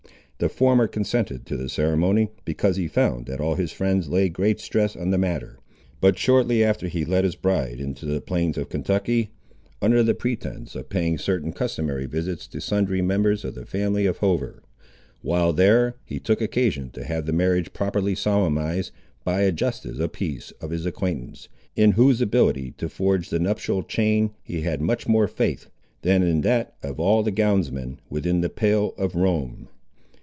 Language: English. The former consented to the ceremony, because he found that all his friends laid great stress on the matter; but shortly after he led his bride into the plains of Kentucky, under the pretence of paying certain customary visits to sundry members of the family of Hover. While there, he took occasion to have the marriage properly solemnised, by a justice of the peace of his acquaintance, in whose ability to forge the nuptial chain he had much more faith than in that of all the gownsmen within the pale of Rome.